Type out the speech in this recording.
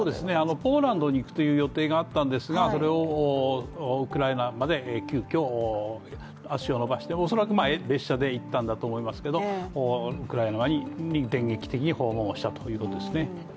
ポーランドに行く予定があったんですがそれをウクライナまで急きょ足を伸ばして恐らく列車で行ったんだと思いますけど、ウクライナに電撃的に訪問をしたということですね。